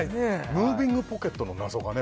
ムービングポケットの謎がね